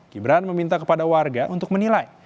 gibran meminta kepada warga untuk menilai